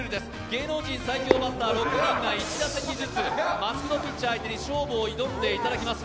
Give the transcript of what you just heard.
芸能人最強バッター６名が１打席ずつ、マスク・ド・ピッチャー相手に勝負を挑んでいただきます。